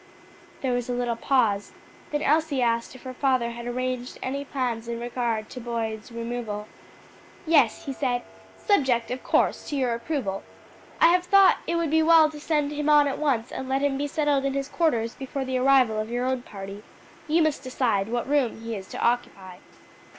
There was a little pause, then Elsie asked if her father had arranged any plans in regard to Boyd's removal. "Yes," he said, "subject of course to your approval. I have thought it would be well to send him on at once and let him be settled in his quarters before the arrival of our own party. You must decide what room he is to occupy."